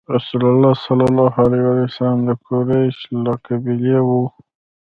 رسول الله ﷺ د قریش له قبیلې وو.